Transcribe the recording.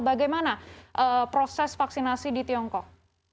bagaimana proses vaksinasi di tiongkok